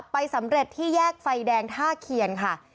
ไปสำเร็จที่แยกไฟแดงท่าเคียนค่ะ